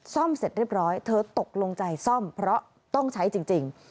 ซ่อมเสร็จเรียบร้อยเธอตกลงใจซ่อมเพราะต้องใช้จริง